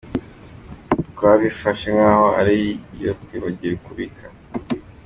Twabifashe nk’aho ari iyo twibagiwe kubika.